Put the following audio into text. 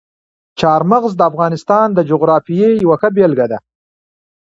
چار مغز د افغانستان د جغرافیې یوه ښه بېلګه ده.